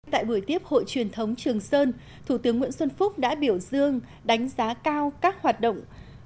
tại buổi tiếp hội truyền thống trường sơn thủ tướng nguyễn xuân phúc đã biểu dương đánh giá cao các hoạt động